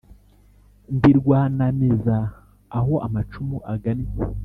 Ndi Rwanamiza aho amacumu agannye